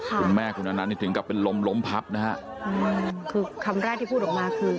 คุณแม่คุณอนัตถึงก็เป็นลมลมพับนะฮะอือคือคำจรารย์ที่พูดออกมาคือ